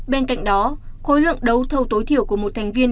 bên cạnh đó khối lượng đấu thầu tối thiểu của một thành viên